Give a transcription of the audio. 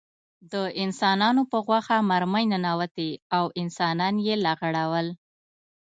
د انسانانو په غوښه مرمۍ ننوتې او انسانان یې لغړول